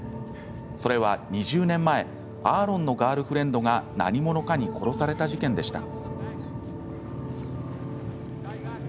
それは２０年前アーロンのガールフレンドが何者かに殺された事件でした。